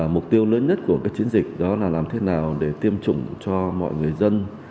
mục tiêu lớn nhất của chiến dịch đó là làm thế nào để tiêm chủng cho mọi người dân